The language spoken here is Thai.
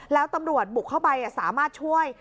แล้วตำรวจบุกเข้าไปสามารถช่วย